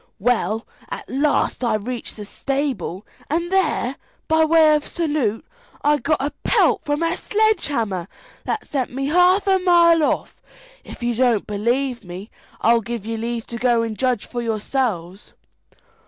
Well, at last I reached the stable, and there, by way of salute, I got a pelt from a sledge hammer that sent me half a mile off. If you don't believe me, I'll give you leave to go and judge for yourselves."